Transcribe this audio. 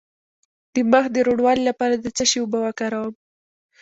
د مخ د روڼوالي لپاره د څه شي اوبه وکاروم؟